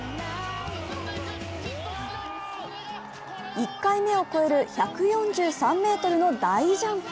１回目を超える１４３ｍの大ジャンプ。